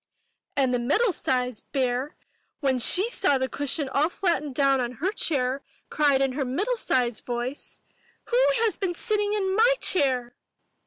And the middle sized bear, when she saw the 251 M Y B O O K HOUSE cushion all flattened down on her chair, cried in her middle sized voice, 'Who has been sitting in my chair?''